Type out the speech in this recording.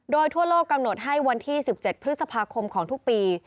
โดยทั่วโลกกำหนดให้วันที่๑๗พฤษภาคมของทุกปี